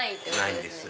ないです。